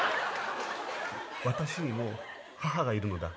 私にも母がいるのだ。